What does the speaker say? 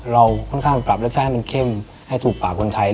เราค่อนข้างปรับรสชาติให้มันเข้มให้ถูกปากคนไทย